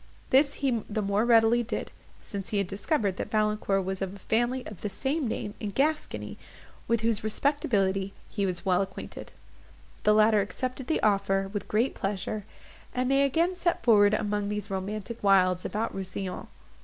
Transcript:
This he the more readily did, since he had discovered that Valancourt was of a family of the same name in Gascony, with whose respectability he was well acquainted. The latter accepted the offer with great pleasure, and they again set forward among these romantic wilds about Rousillon.